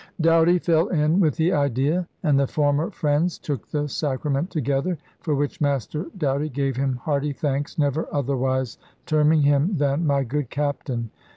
Doughty fell in with the idea and the former friends took the Sacrament together, *for which Master Doughty gave him hearty thanks, never otherwise terming him than "My good Captaine."